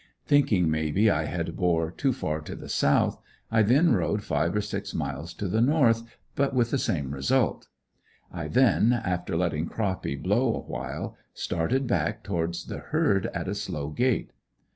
Thinking maybe I had bore too far to the south, I then rode five or six miles to the north, but with the same result. I then, after letting Croppy blow awhile started back towards the herd at a slow gait.